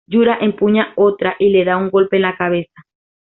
Yura empuña otra y le da un golpe en la cabeza.